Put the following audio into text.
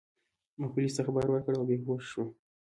ما پولیسو ته خبر ورکړ او بې هوښه شوم.